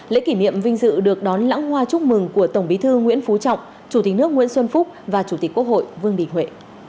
lễ kỷ niệm vinh dự được đón lãng hoa chúc mừng của tổng bí thư nguyễn phú trọng chủ tịch nước nguyễn xuân phúc và chủ tịch quốc hội vương đình huệ